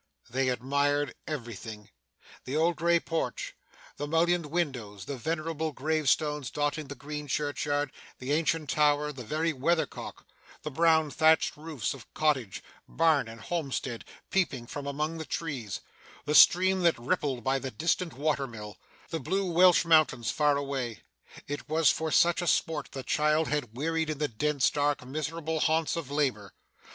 They admired everything the old grey porch, the mullioned windows, the venerable gravestones dotting the green churchyard, the ancient tower, the very weathercock; the brown thatched roofs of cottage, barn, and homestead, peeping from among the trees; the stream that rippled by the distant water mill; the blue Welsh mountains far away. It was for such a spot the child had wearied in the dense, dark, miserable haunts of labour.